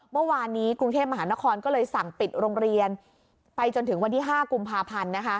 เมื่อวานนี้กรุงเทพมหานครก็เลยสั่งปิดโรงเรียนไปจนถึงวันที่๕กุมภาพันธ์